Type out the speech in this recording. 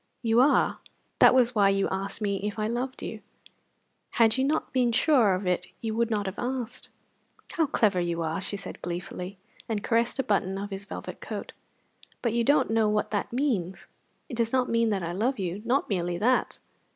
"You are. That was why you asked me if I loved you. Had you not been sure of it you would not have asked." "How clever you are!" she said gleefully, and caressed a button of his velvet coat. "But you don't know what that means! It does not mean that I love you not merely that."